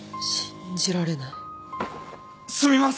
信じられない。